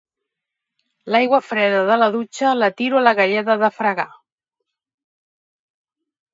L'aigua freda de la dutxa la tiro a la galleda de fregar